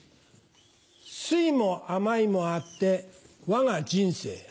酸いも甘いもあってわが人生。